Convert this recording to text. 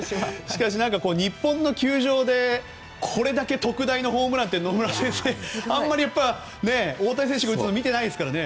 しかし、日本の球場でこれだけ特大のホームランって野村先生あまり大谷選手が打つの見てないですからね。